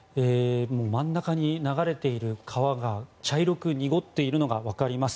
真ん中に流れている川が茶色く濁っているのがわかります。